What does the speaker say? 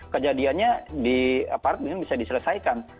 kejadiannya di aparat ini bisa diselesaikan